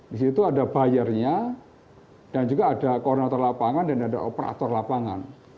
di situ ada buyernya dan juga ada koordinator lapangan dan ada operator lapangan